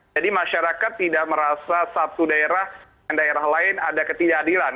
jadi masyarakat tidak merasa satu daerah dan daerah lain ada ketidakadilan